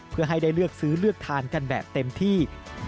เพื่อให้ได้เลือกซื้อเลือกทานกันแบบเต็มที่